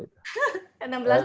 enam belas tahun yang lalu